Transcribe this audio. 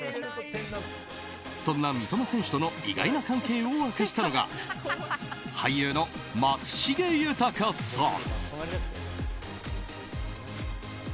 そんな三笘選手との意外な関係を明かしたのが俳優の松重豊さん。